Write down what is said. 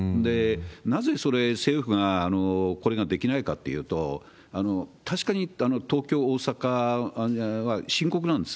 なぜそれ、政府がこれができないかというと、確かに東京、大阪は深刻なんです。